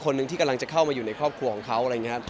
ก็เป็นคนที่กำลังจะเข้าไปอยู่ในครอบครัวของเขา